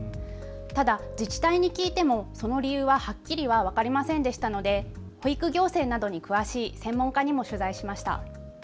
ただ自治体に聞いてもその理由ははっきりは分かりませんでしたので保育行政などに詳しい専門家にも取材しました。